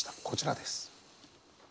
こちらです。